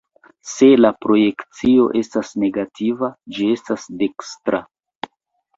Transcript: Se la projekcio estas negativa, ĝi estas dekstra.